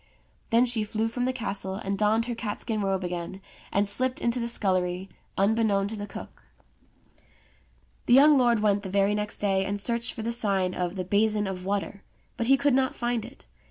Then she flew from the castle and donned her catskin robe again, and slipped into the scullery, unbeknown to the cook. i68 ENGLISH FAIRY TALES The young lord went the very next day and searched for the sign of the "Basin of Water"; but he could not find it.